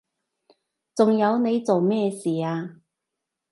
仲有你做咩事啊？